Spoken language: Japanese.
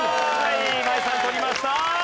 今井さん取りました！